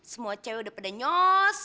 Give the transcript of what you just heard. semua cewek udah pada nyos